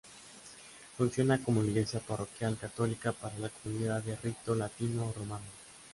Funciona como iglesia parroquial católica para la comunidad de rito latino o romano.